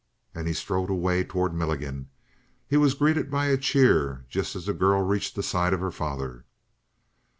And he strode away toward Milligan. He was greeted by a cheer just as the girl reached the side of her father.